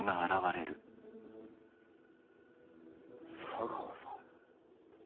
茶川さん？